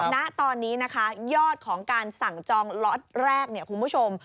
ณตอนนี้ยอดของการสั่งจองล็อตแรกคุณผู้ชม